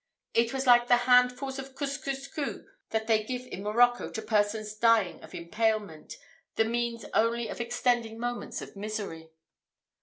It was like the handfuls of couscousou that they give in Morocco to persons dying of impalement, the means only of extending moments of misery.